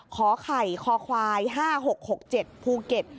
ขอไข่คอควาย๕๖๖๗ภูเก็ต